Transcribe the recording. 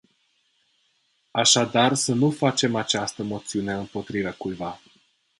Așadar să nu facem această moțiune împotriva cuiva.